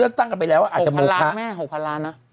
อู้๖พันล้านนะคะ